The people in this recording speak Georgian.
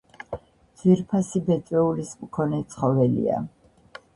ძვირფასი ბეწვეულის მქონე ცხოველია.